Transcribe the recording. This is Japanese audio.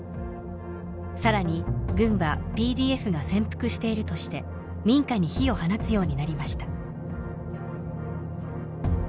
さらに軍はＰＤＦが潜伏しているとして民家に火を放つようになりました